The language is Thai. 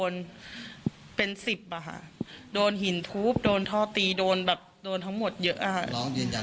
น้องเรียนรับเป็นกลุ่มไหม